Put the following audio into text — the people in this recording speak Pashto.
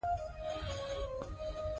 ماتې خوړل کېږي.